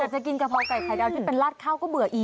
แต่จะกินกะเพราไก่ไข่ดาวที่เป็นลาดข้าวก็เบื่ออีก